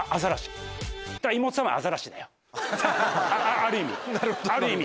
ある意味ある意味。